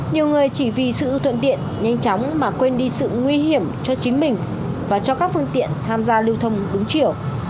nhiều người chỉ vì sự thuận tiện nhanh chóng mà quên đi sự nguy hiểm cho chính mình và cho các phương tiện tham gia lưu thông đúng chiều